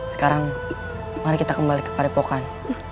sekarang mari kita kembali ke padepokan